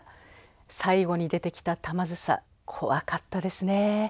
最後に出てきた玉梓怖かったですね。